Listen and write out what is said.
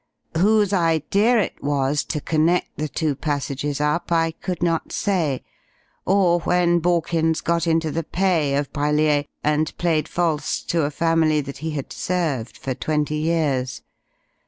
"Whose idea it was to connect the two passages up I could not say, or when Borkins got into the pay of Brellier and played false to a family that he had served for twenty years.